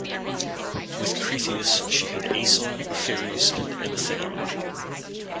With Cretheus she had Aeson, Pheres, and Amythaon.